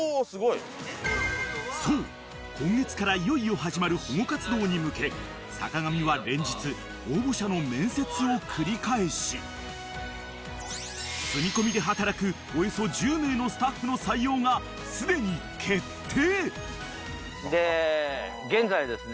［そう今月からいよいよ始まる保護活動に向け坂上は連日応募者の面接を繰り返し住み込みで働くおよそ１０名のスタッフの採用がすでに決定！］